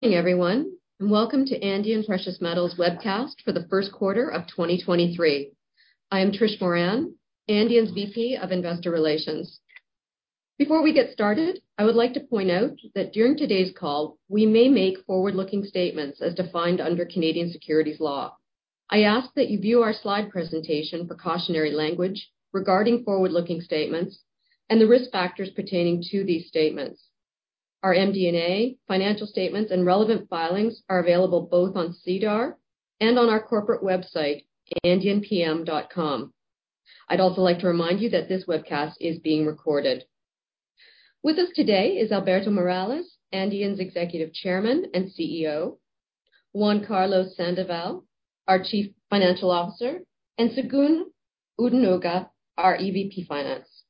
Good evening, everyone, welcome to Andean Precious Metals webcast for the first quarter of 2023. I am Trish Moran, Andean's VP of Investor Relations. Before we get started, I would like to point out that during today's call, we may make forward-looking statements as defined under Canadian securities law. I ask that you view our slide presentation precautionary language regarding forward-looking statements and the risk factors pertaining to these statements. Our MD&A, financial statements, and relevant filings are available both on SEDAR and on our corporate website, andeanpm.com. I'd also like to remind you that this webcast is being recorded. With us today is Alberto Morales, Andean's Executive Chairman and CEO, Juan Carlos Sandoval, our Chief Financial Officer, and Segun Odunuga, our EVP Finance.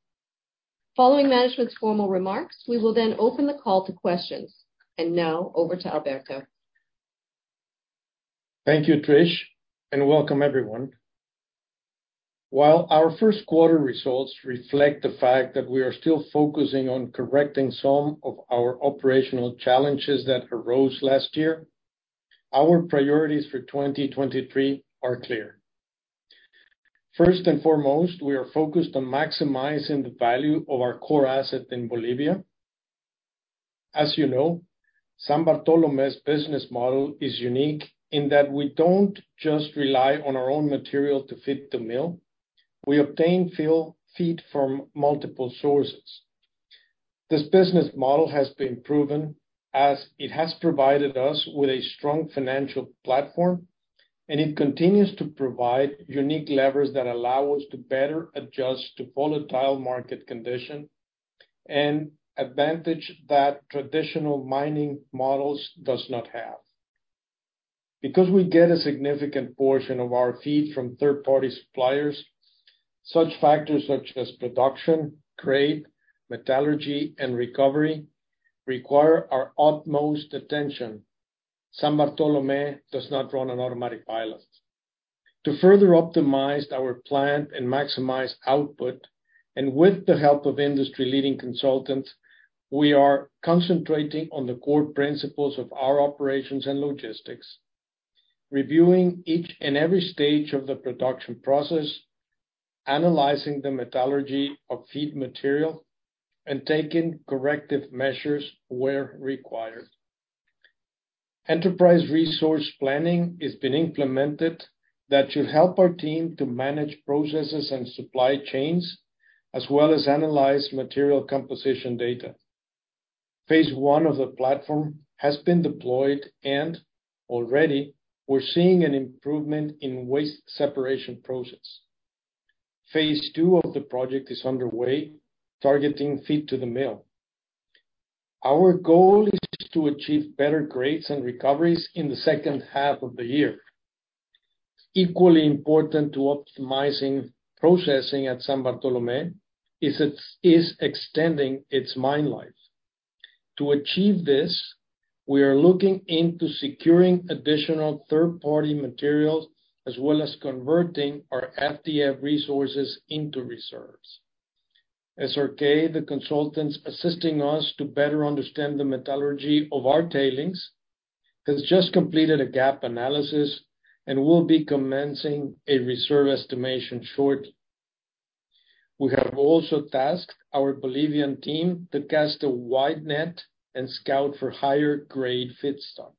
Following management's formal remarks, we will then open the call to questions. Now over to Alberto. Thank you, Trish, and welcome everyone. While our first quarter results reflect the fact that we are still focusing on correcting some of our operational challenges that arose last year, our priorities for 2023 are clear. First and foremost, we are focused on maximizing the value of our core asset in Bolivia. As you know, San Bartolome's business model is unique in that we don't just rely on our own material to fit the mill, we obtain fill- feed from multiple sources. This business model has been proven as it has provided us with a strong financial platform, it continues to provide unique levers that allow us to better adjust to volatile market condition, and advantage that traditional mining models does not have. We get a significant portion of our feed from third-party suppliers, such factors such as production, grade, metallurgy, and recovery require our utmost attention. San Bartolome does not run on automatic pilot. To further optimize our plant and maximize output, with the help of industry-leading consultants, we are concentrating on the core principles of our operations and logistics, reviewing each and every stage of the production process, analyzing the metallurgy of feed material, and taking corrective measures where required. Enterprise Resource Planning is being implemented that should help our team to manage processes and supply chains, as well as analyze material composition data. Phase one of the platform has been deployed. Already we're seeing an improvement in waste separation process. Phase two of the project is underway, targeting feed to the mill. Our goal is to achieve better grades and recoveries in the second half of the year. Equally important to optimizing processing at San Bartolome is extending its mine life. To achieve this, we are looking into securing additional third-party materials, as well as converting our FDF resources into reserves. SRK, the consultants assisting us to better understand the metallurgy of our tailings, has just completed a gap analysis and will be commencing a reserve estimation shortly. We have also tasked our Bolivian team to cast a wide net and scout for higher grade feedstock.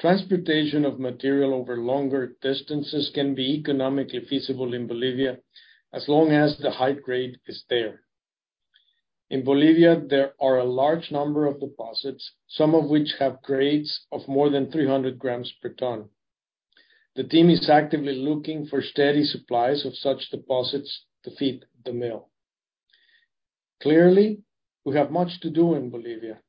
Transportation of material over longer distances can be economically feasible in Bolivia, as long as the high grade is there. In Bolivia, there are a large number of deposits, some of which have grades of more than 300 g/t. The team is actively looking for steady supplies of such deposits to feed the mill. We have much to do in Bolivia,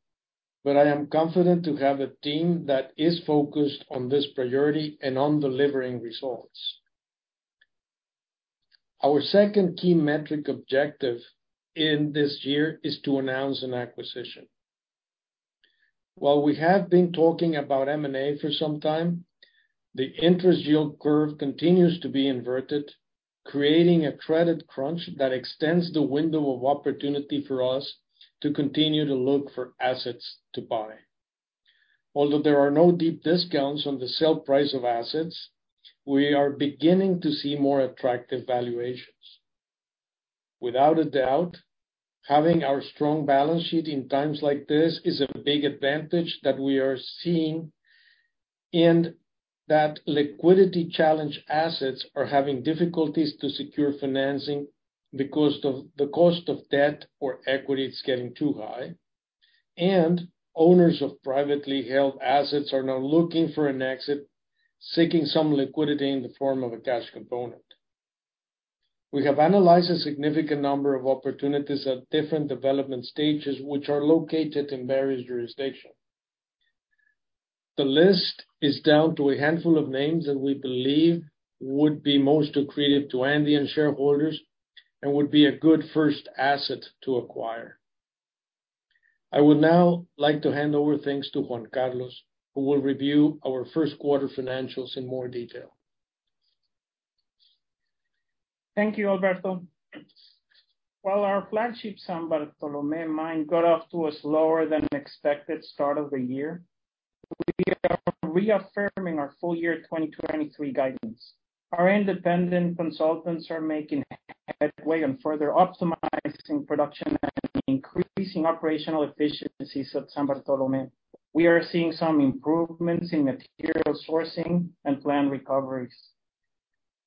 but I am confident to have a team that is focused on this priority and on delivering results. Our second key metric objective in this year is to announce an acquisition. While we have been talking about M&A for some time, the interest yield curve continues to be inverted, creating a credit crunch that extends the window of opportunity for us to continue to look for assets to buy. Although there are no deep discounts on the sale price of assets, we are beginning to see more attractive valuations. Without a doubt, having our strong balance sheet in times like this is a big advantage that we are seeing, and that liquidity challenge assets are having difficulties to secure financing because the cost of debt or equity is getting too high, and owners of privately held assets are now looking for an exit, seeking some liquidity in the form of a cash component. We have analyzed a significant number of opportunities at different development stages, which are located in various jurisdictions. The list is down to a handful of names that we believe would be most accretive to Andean shareholders and would be a good first asset to acquire. I would now like to hand over things to Juan Carlos, who will review our first quarter financials in more detail. Thank you, Alberto. While our flagship San Bartolomé mine got off to a slower than expected start of the year, we are reaffirming our full year 2023 guidance. Our independent consultants are making headway on further optimizing production and increasing operational efficiencies at San Bartolomé. We are seeing some improvements in material sourcing and plant recoveries.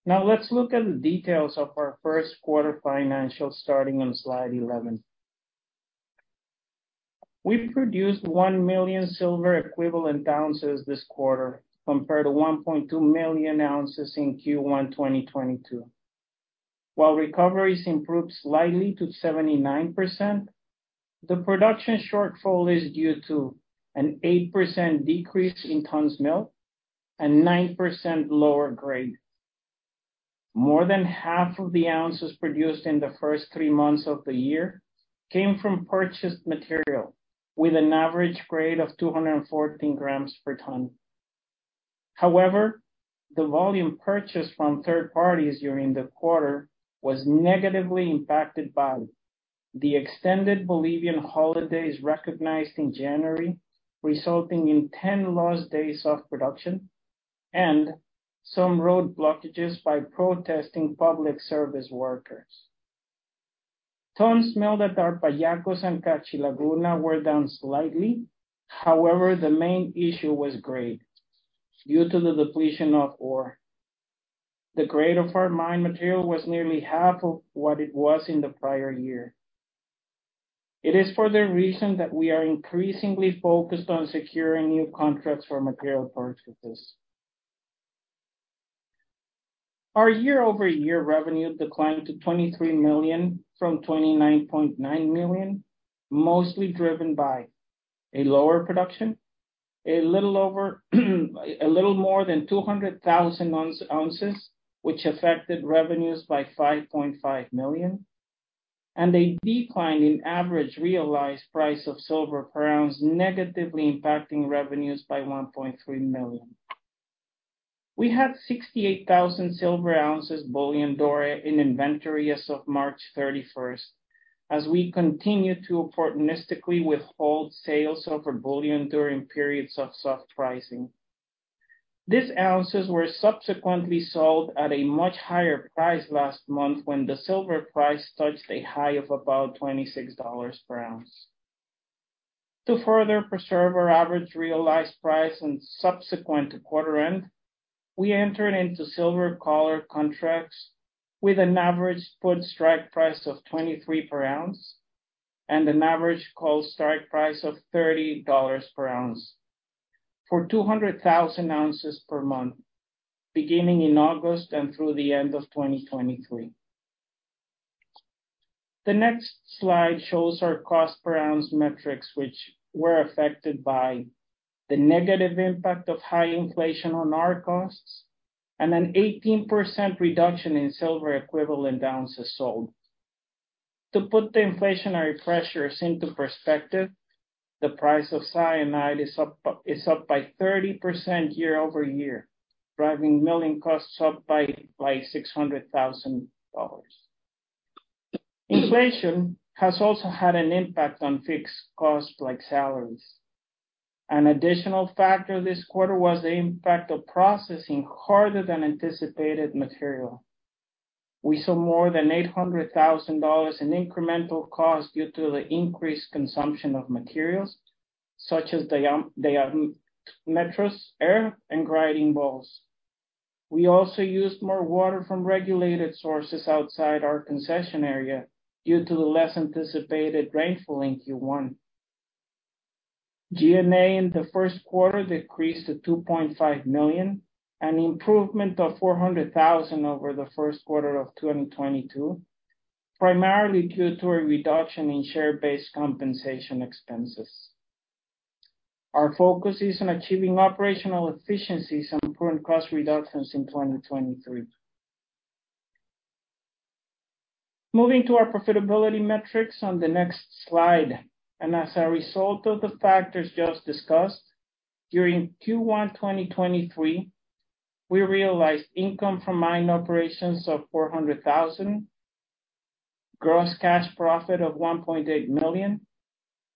Now, let's look at the details of our first quarter financials, starting on slide 11. We produced 1 million silver equivalent ounces this quarter, compared to 1.2 million oz in Q1 2022. While recoveries improved slightly to 79%, the production shortfall is due to an 8% decrease in tons milled and 9% lower grade. More than half of the ounces produced in the first three months of the year came from purchased material, with an average grade of 214 g/t. However, the volume purchased from third parties during the quarter was negatively impacted by the extended Bolivian holidays recognized in January, resulting in 10 lost days of production and some road blockages by protesting public service workers. Tons milled at Pallacos and Cachi Laguna were down slightly. However, the main issue was grade due to the depletion of ore. The grade of our mine material was nearly half of what it was in the prior year. It is for the reason that we are increasingly focused on securing new contracts for material purchases. Our year-over-year revenue declined to $23 million from $29.9 million, mostly driven by a lower production, a little over a little more than 200,000 oz, which affected revenues by $5.5 million, and a decline in average realized price of silver per ounce, negatively impacting revenues by $1.3 million. We had 68,000 silver oz bullion Doré in inventory as of March 31st, as we continue to opportunistically withhold sales of our bullion during periods of soft pricing. These ounces were subsequently sold at a much higher price last month, when the silver price touched a high of about $26 per oz. To further preserve our average realized price and subsequent quarter end, we entered into silver collar contracts with an average put strike price of $23 per oz and an average call strike price of $30 per oz for 200,000 oz per month, beginning in August and through the end of 2023. The next slide shows our cost per ounce metrics, which were affected by the negative impact of high inflation on our costs, and an 18% reduction in silver equivalent ounces sold. To put the inflationary pressures into perspective, the price of cyanide is up by 30% year-over-year, driving milling costs up by $600,000. Inflation has also had an impact on fixed costs, like salaries. An additional factor this quarter was the impact of processing harder than anticipated material. We saw more than $800,000 in incremental costs due to the increased consumption of materials such as diametrous, air, and grinding balls. We also used more water from regulated sources outside our concession area due to the less anticipated rainfall in Q1. G&A in the first quarter decreased to $2.5 million, an improvement of $400,000 over the first quarter of 2022, primarily due to a reduction in share-based compensation expenses. Our focus is on achieving operational efficiencies and improving cost reductions in 2023. Moving to our profitability metrics on the next slide, as a result of the factors just discussed, during Q1 2023, we realized income from mine operations of $400,000, gross cash profit of $1.8 million,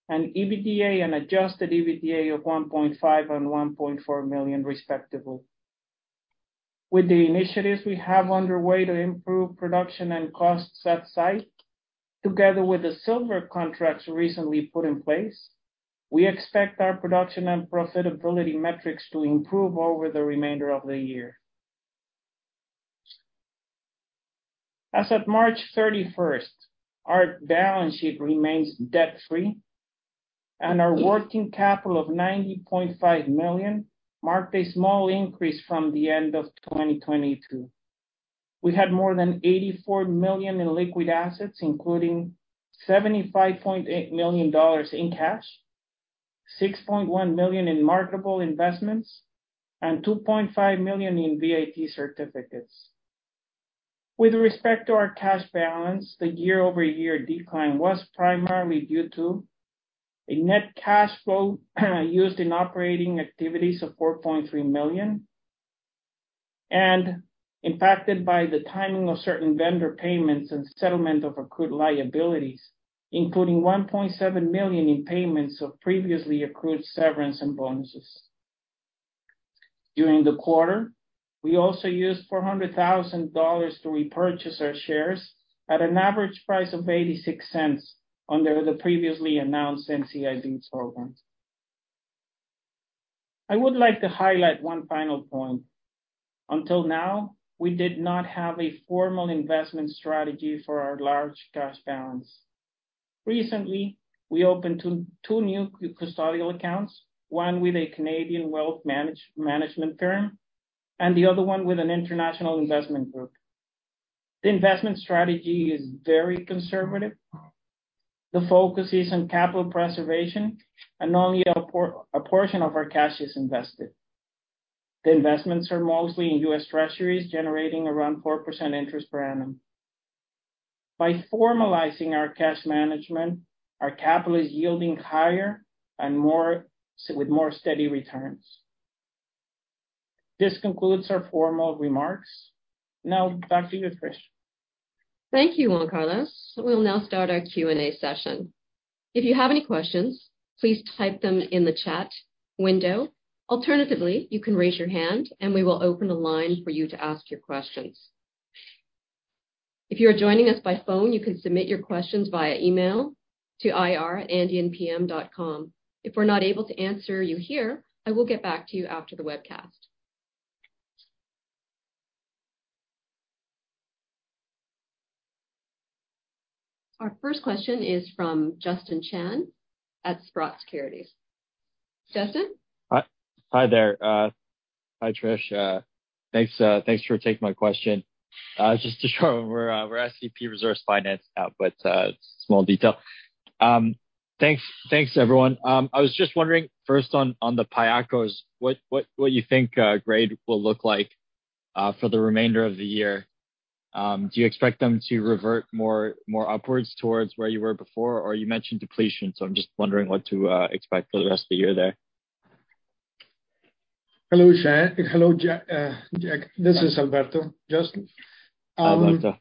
and EBITDA and adjusted EBITDA of $1.5 million and $1.4 million, respectively. With the initiatives we have underway to improve production and costs at site, together with the silver contracts recently put in place, we expect our production and profitability metrics to improve over the remainder of the year. As of March 31st, our balance sheet remains debt-free, and our working capital of $90.5 million marked a small increase from the end of 2022. We had more than $84 million in liquid assets, including $75.8 million in cash, $6.1 million in marketable investments, and $2.5 million in VAT certificates. With respect to our cash balance, the year-over-year decline was primarily due to a net cash flow used in operating activities of $4.3 million, and impacted by the timing of certain vendor payments and settlement of accrued liabilities, including $1.7 million in payments of previously accrued severance and bonuses. During the quarter, we also used 400,000 dollars to repurchase our shares at an average price of 0.86 under the previously announced NCIB programs. I would like to highlight one final point. Until now, we did not have a formal investment strategy for our large cash balance. Recently, we opened two new custodial accounts, one with a Canadian wealth management firm and the other one with an international investment group. The investment strategy is very conservative. The focus is on capital preservation, and only a portion of our cash is invested. The investments are mostly in U.S. Treasuries, generating around 4% interest per annum. By formalizing our cash management, our capital is yielding higher and more, with more steady returns. This concludes our formal remarks. Now, back to you, Trish. Thank you, Juan Carlos. We'll now start our Q&A session. If you have any questions, please type them in the chat window. Alternatively, you can raise your hand, and we will open a line for you to ask your questions. If you are joining us by phone, you can submit your questions via email to ir@andeanpm.com. If we're not able to answer you here, I will get back to you after the webcast. Our first question is from Justin Chan at Sprott Securities. Justin? Hi. Hi there, hi, Trish. thanks for taking my question. just to show we're SCP Resource Finance now, but, small detail. thanks, everyone. I was just wondering, first on the Pallacos, what you think, grade will look like, for the remainder of the year? do you expect them to revert more upwards towards where you were before? You mentioned depletion, so I'm just wondering what to expect for the rest of the year there. Hello, Chan. Hello, John. This is Alberto, Justin. Hi, Alberto.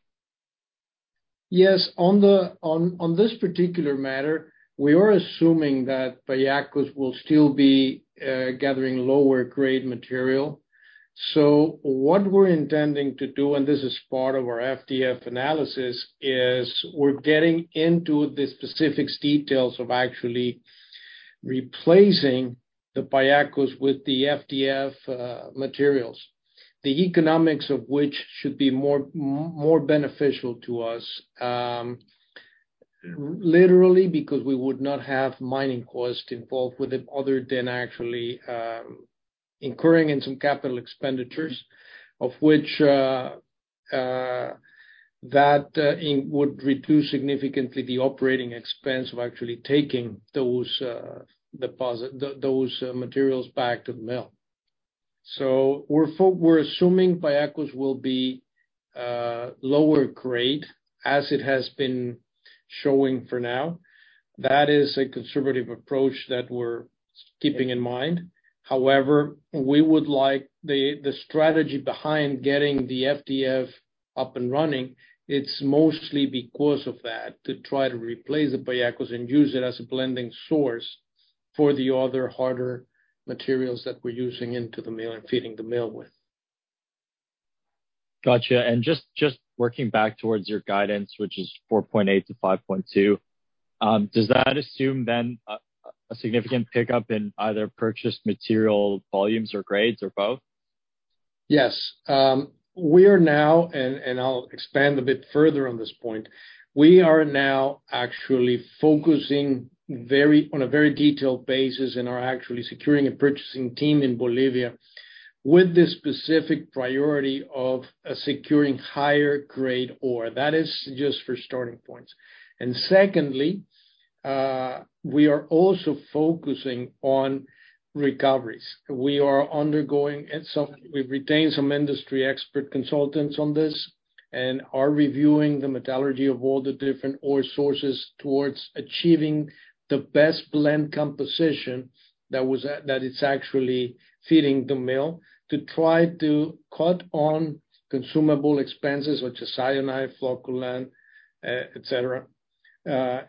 Yes, on this particular matter, we are assuming that Pallacos will still be gathering lower grade material. What we're intending to do, and this is part of our FDF analysis, is we're getting into the specifics, details of actually replacing the Pallacos with the FDF materials. The economics of which should be more beneficial to us, literally, because we would not have mining costs involved with it, other than actually incurring in some capital expenditures, of which that would reduce significantly the operating expense of actually taking those deposit, those materials back to the mill. We're assuming Pallacos will be lower grade, as it has been showing for now. That is a conservative approach that we're keeping in mind. However, we would like the strategy behind getting the FDF up and running, it's mostly because of that, to try to replace the Pallacos and use it as a blending source for the other harder materials that we're using into the mill and feeding the mill with. Gotcha. Just working back towards your guidance, which is 4.8-5.2, does that assume then a significant pickup in either purchased material volumes or grades or both? Yes. We are now, and I'll expand a bit further on this point, we are now actually focusing very, on a very detailed basis, and are actually securing a purchasing team in Bolivia with the specific priority of securing higher grade ore. That is just for starting points. Secondly, we are also focusing on recoveries. We've retained some industry expert consultants on this, and are reviewing the metallurgy of all the different ore sources towards achieving the best blend composition that it's actually feeding the mill, to try to cut on consumable expenses, such as cyanide, flocculant, et cetera. At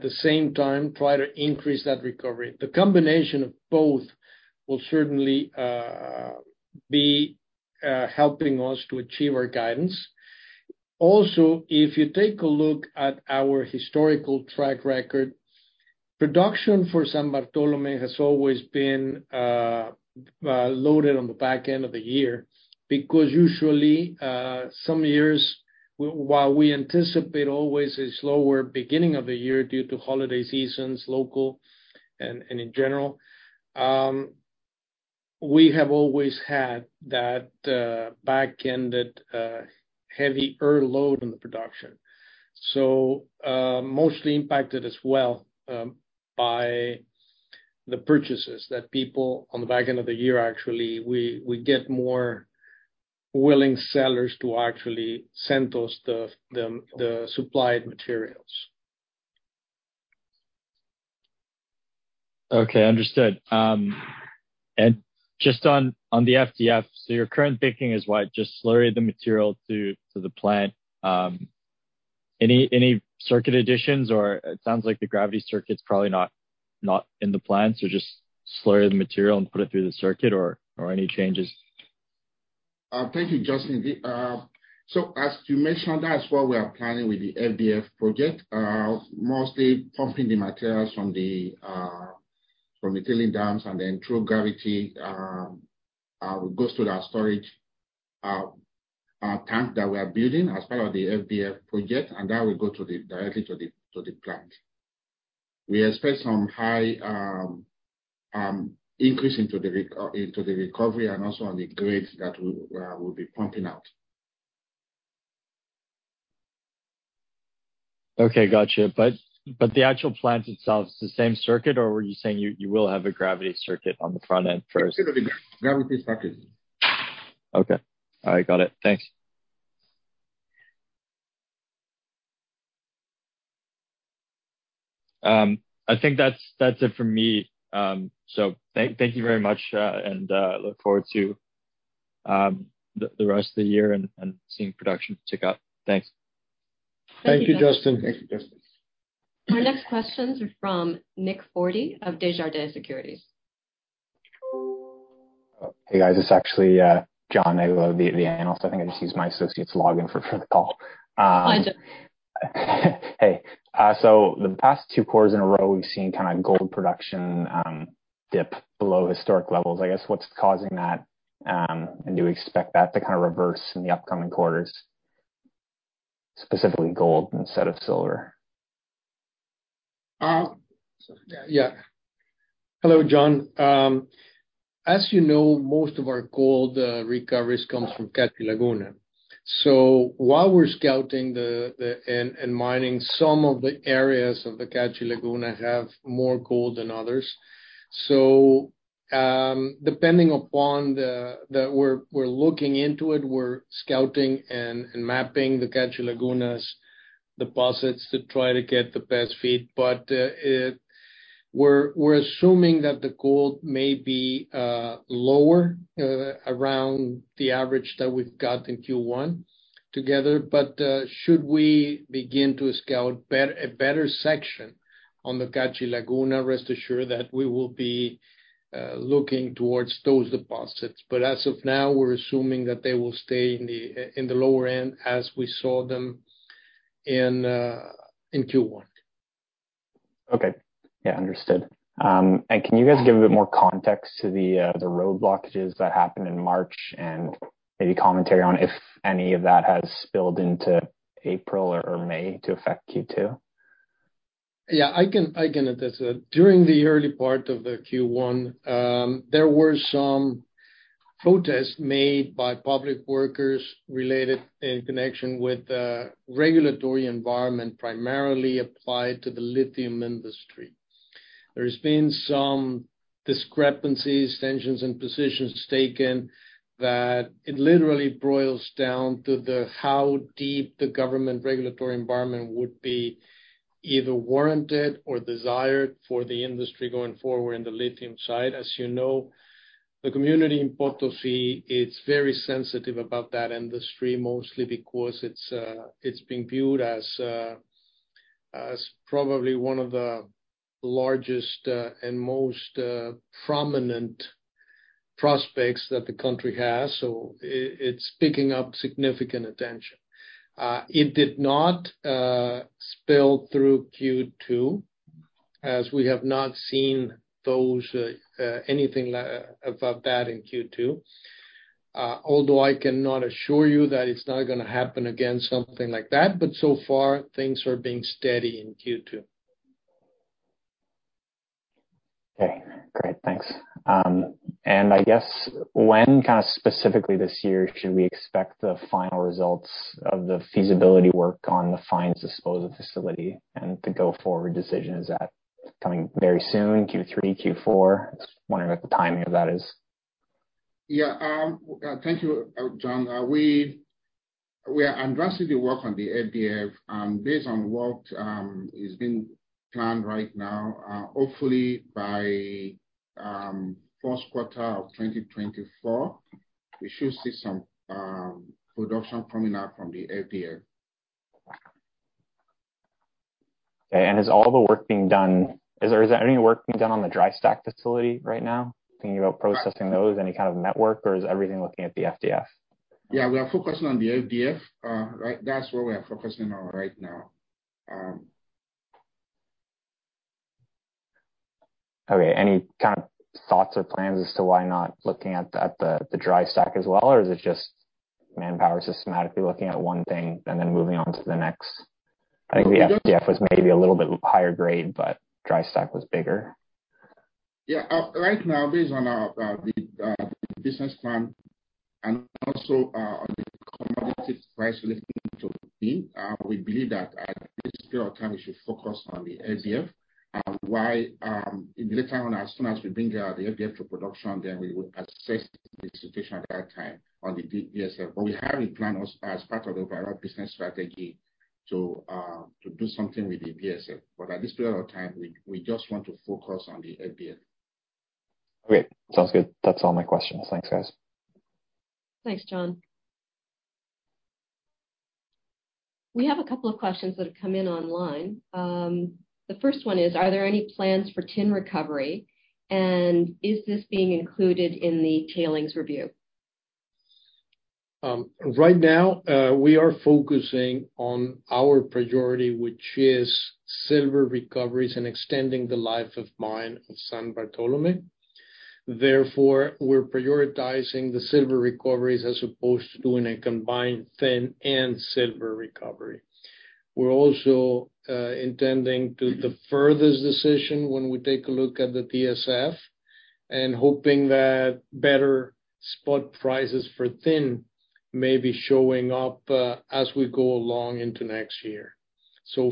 the same time, try to increase that recovery. The combination of both will certainly be helping us to achieve our guidance. If you take a look at our historical track record, production for San Bartolome has always been loaded on the back end of the year, because usually, some years, while we anticipate always a slower beginning of the year due to holiday seasons, local and in general, we have always had that back-ended heavier load in the production. Mostly impacted as well by the purchases that people on the back end of the year, actually, we get more willing sellers to actually send those stuff, the supplied materials. Okay, understood. Just on the FDF, so your current thinking is what? Just slurry the material to the plant. Any circuit additions or it sounds like the gravity circuit's probably not in the plans, so just slurry the material and put it through the circuit or any changes? Thank you, Justin. As you mentioned, that's what we are planning with the FDF project. Mostly pumping the materials from the tailing dams and then through gravity goes to the storage tank that we are building as part of the FDF project, and then we go directly to the plant. We expect some high increase into the recovery and also on the grades that we'll be pumping out. Okay, gotcha. The actual plant itself, is it the same circuit, or were you saying you will have a gravity circuit on the front end first? Gravity circuit. Okay. I got it. Thanks. I think that's it for me. Thank you very much, and look forward to the rest of the year and seeing production tick up. Thanks. Thank you, Justin. Thank you, Justin. Our next question from Nick Forty of Desjardins Securities. Hey, guys, it's actually John, Ava the analyst. I think I just used my associate's login for the call. Hey, the past two quarters in a row, we've seen kinda gold production dip below historic levels. I guess, what's causing that? Do you expect that to kinda reverse in the upcoming quarters, specifically gold instead of silver? Yeah. Hello, John. As you know, most of our gold recoveries comes from Cachi Laguna. While we're scouting and mining some of the areas of the Cachi Laguna have more gold than others. Depending upon, we're looking into it, we're scouting and mapping the Cachi Laguna's deposits to try to get the best fit. We're assuming that the gold may be lower around the average that we've got in Q1 together. Should we begin to scout a better section on the Cachi Laguna, rest assured that we will be looking towards those deposits. As of now, we're assuming that they will stay in the in the lower end as we saw them in Q1. Okay. Yeah, understood. Can you guys give a bit more context to the road blockages that happened in March? Maybe commentary on if any of that has spilled into April or May to affect Q2. I can address that. During the early part of the Q1, there were some protests made by public workers related in connection with the regulatory environment, primarily applied to the lithium industry. There has been some discrepancies, tensions, and positions taken, that it literally boils down to the, how deep the government regulatory environment would be, either warranted or desired for the industry going forward in the lithium side. You know, the community in Potosí, it's very sensitive about that industry, mostly because it's being viewed as probably one of the largest and most prominent prospects that the country has. It's picking up significant attention. It did not spill through Q2, as we have not seen those anything about that in Q2. Although I cannot assure you that it's not gonna happen again, something like that, but so far, things are being steady in Q2. Okay, great. Thanks. I guess, when kind of specifically this year, should we expect the final results of the feasibility work on the fines disposal facility and the go-forward decision? Is that coming very soon, Q3, Q4? Just wondering what the timing of that is. Thank you, John. We are addressing the work on the FDF, and based on what is being planned right now, hopefully by first quarter of 2024, we should see some production coming out from the FDF. Okay. Is there any work being done on the dry stack facility right now? Thinking about processing those, any kind of network, or is everything looking at the FDF? Yeah, we are focusing on the FDF. Right, that's where we are focusing on right now. Okay. Any kind of thoughts or plans as to why not looking at the, at the dry stack as well, or is it just manpower systematically looking at one thing and then moving on to the next? I think the FDF was maybe a little bit higher grade, but dry stack was bigger. Yeah. Right now, based on our the business plan and also on the price relating to be, we believe that at this period of time, we should focus on the FDF. While in the later on, as soon as we bring out the FDF to production, then we will assess the situation at that time on the PSF. We have a plan as part of the overall business strategy to do something with the PSF. At this period of time, we just want to focus on the FDF. Great. Sounds good. That's all my questions. Thanks, guys. Thanks, John. We have a couple of questions that have come in online. The first one is: Are there any plans for tin recovery, and is this being included in the tailings review? Right now, we are focusing on our priority, which is silver recoveries and extending the life of mine of San Bartolome. Therefore, we're prioritizing the silver recoveries as opposed to doing a combined tin and silver recovery. We're also intending to defer this decision when we take a look at the PSF, and hoping that better spot prices for tin may be showing up as we go along into next year.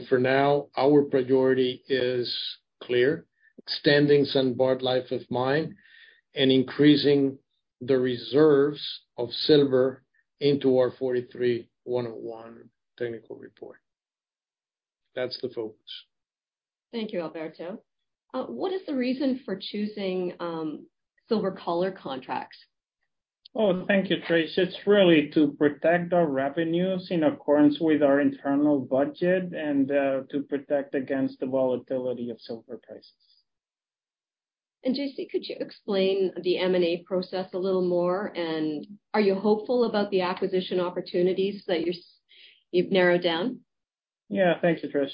For now, our priority is clear, extending San Bart life of mine and increasing the reserves of silver into our NI 43-101 technical report. That's the focus. Thank you, Alberto. What is the reason for choosing silver collar contracts? Thank you, Trish. It's really to protect our revenues in accordance with our internal budget and to protect against the volatility of silver prices. JC, could you explain the M&A process a little more, and are you hopeful about the acquisition opportunities that you've narrowed down? Yeah. Thanks, Trish.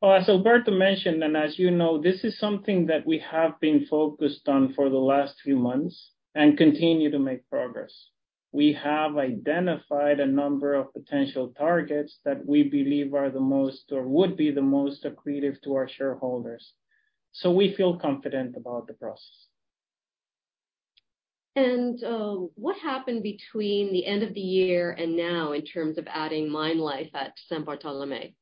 Well, as Alberto mentioned, and as you know, this is something that we have been focused on for the last few months and continue to make progress. We have identified a number of potential targets that we believe are the most or would be the most accretive to our shareholders. We feel confident about the process. What happened between the end of the year and now in terms of adding mine life at San Bartolomé?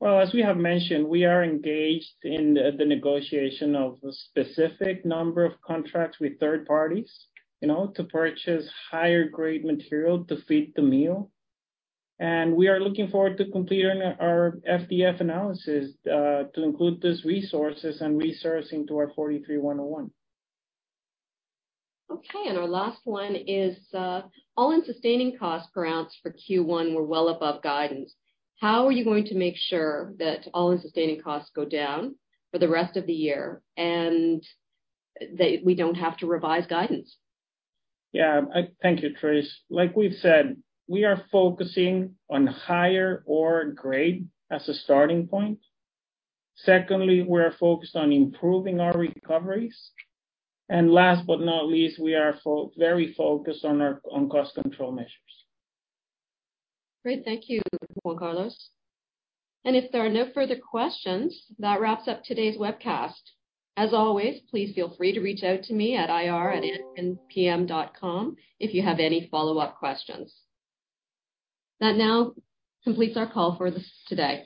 Well, as we have mentioned, we are engaged in the negotiation of a specific number of contracts with third parties, you know, to purchase higher grade material to feed the mill. We are looking forward to completing our FDF analysis to include these resources and resourcing to our NI 43-101. Okay, our last one is, All-in sustaining costs per ounce for Q1 were well above guidance. How are you going to make sure that All-in sustaining costs go down for the rest of the year, and that we don't have to revise guidance? I thank you, Trish. Like we've said, we are focusing on higher ore grade as a starting point. Secondly, we are focused on improving our recoveries. Last but not least, we are very focused on our cost control measures. Great. Thank you, Juan Carlos. If there are no further questions, that wraps up today's webcast. As always, please feel free to reach out to me at ir@mpm.com if you have any follow-up questions. That now completes our call for this today.